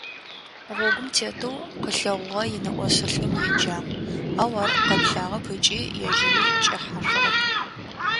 Гъогум тетэу къылъэгъугъэ инэӏосэ лӏым еджагъ, ау ар къэплъагъэп ыкӏи ежьыри кӏэхьашъугъэп.